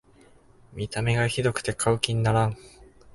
見た目がひどくて買う気にならん